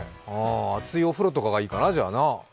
熱いお風呂とかがいいかな、じゃあな。